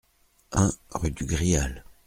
un rue du Grial